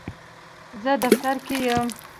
زه دفتر کې یم.